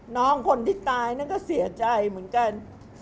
น้องคนที่ตายนั่นก็เสียใจเหมือนกัน